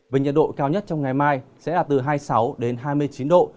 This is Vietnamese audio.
về nhiệt độ cao nhất trong ngày mai sẽ là từ hai mươi sáu đến hai mươi chín độ